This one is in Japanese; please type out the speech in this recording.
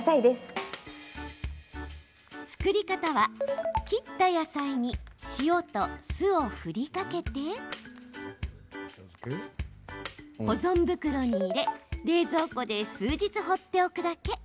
作り方は、切った野菜に塩と酢を振りかけて保存袋に入れ冷蔵庫で数日放っておくだけ。